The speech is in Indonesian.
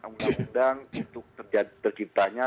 undang undang untuk terkiranya